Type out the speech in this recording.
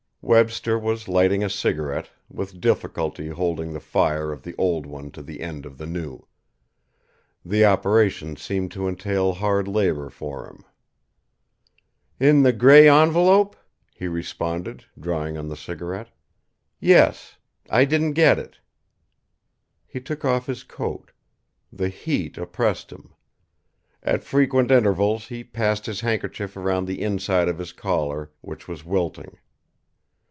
Webster was lighting a cigarette, with difficulty holding the fire of the old one to the end of the new. The operation seemed to entail hard labour for him. "In the grey envelope?" he responded, drawing on the cigarette. "Yes. I didn't get it." He took off his coat. The heat oppressed him. At frequent intervals he passed his handkerchief around the inside of his collar, which was wilting.